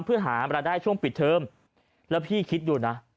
เพื่อหารายได้ช่วงปิดเทอมแล้วพี่คิดดูนะ